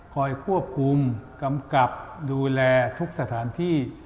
คอยควบคุมกำกับดูแลทุกสถานที่